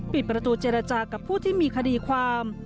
ปิดประตูเจรจากับผู้ที่มีคดีความ